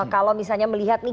kalau misalnya melihat nih